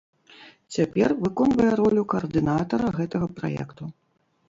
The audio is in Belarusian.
Цяпер выконвае ролю каардынатара гэтага праекту.